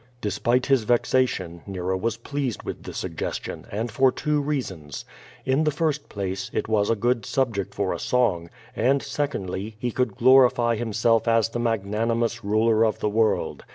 Despite his vexation, Nero ^;as pleased with the suggestion, and for two reasons: In the first place, it was a good subject for a song, and, secondly, he could glorify himself as the mag nanimous ruler of the world.